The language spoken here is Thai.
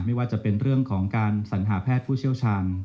ไม่ว่าจะเป็นเรื่องของการสัญหาแพทย์ผู้เชี่ยวชาญ